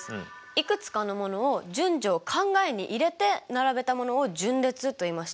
いくつかのものを順序を考えに入れて並べたものを順列といいました。